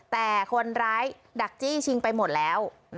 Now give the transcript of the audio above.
แต่คนร้ายดักจี้ชิงไปหมดแล้ว